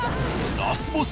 ラスボス